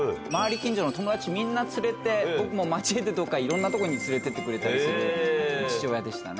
近所の友達みんな連れて、僕も交えていろんな所に連れてってくれたりする父親でしたね。